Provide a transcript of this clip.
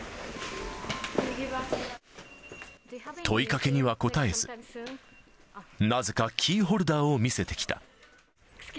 問いかけには答えず、なぜかキーホルダーを見せてきた。